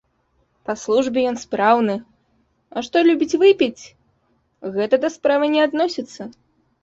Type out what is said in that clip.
Па службе ён спраўны, а што любіць выпіць, гэта да справы не адносіцца.